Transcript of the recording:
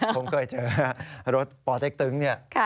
ผมเคยเจอรถปเต็กตึงเนี่ย